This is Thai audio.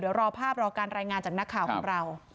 เดี๋ยวรอภาพรอการรายงานจากนักข่าวของเรา